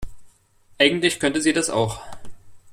Eigentlich könnte sie das auch.